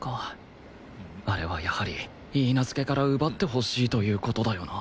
あれはやはり許嫁から奪ってほしいという事だよな？